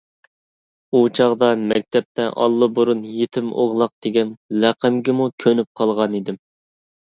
ئۇ چاغدا مەكتەپتە ئاللىبۇرۇن يېتىم ئوغلاق دېگەن لەقەمگىمۇ كۆنۈپ قالغانىدىم.